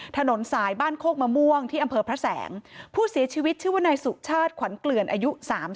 ถนนสายบ้านโคกมะม่วงที่อำเภอพระแสงผู้เสียชีวิตชื่อว่านายสุชาติขวัญเกลือนอายุ๓๐